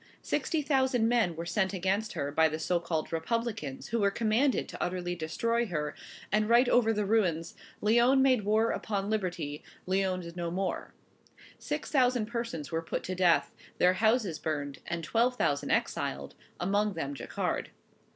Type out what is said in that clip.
Sixty thousand men were sent against her by the so called Republicans, who were commanded to utterly destroy her, and write over the ruins, "Lyons made war upon liberty; Lyons is no more." Six thousand persons were put to death, their houses burned, and twelve thousand exiled; among them Jacquard.